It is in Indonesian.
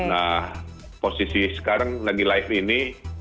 nah posisi sekarang lagi live ini